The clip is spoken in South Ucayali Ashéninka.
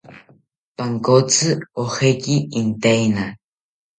Pankotzi ojeki intaena